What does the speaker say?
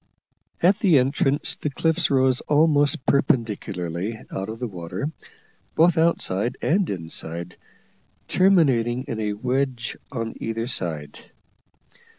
At the entrance the cliffs rose almost perpendicularly out of the water, both outside and inside, terminating in a wedge on either side.